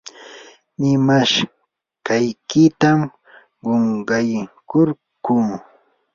nimashqaykitam qunqaykurquu.